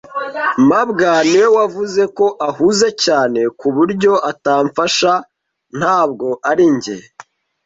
mabwa niwe wavuze ko ahuze cyane ku buryo atamfasha, ntabwo ari njye.